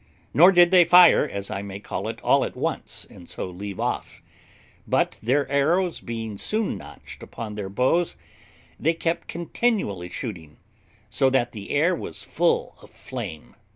Nor did they fire, as I may call it, all at once, and so leave off; but their arrows being soon notched upon their bows, they kept continually shooting, so that the air was full of flame.